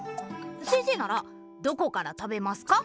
先生ならどこから食べますか？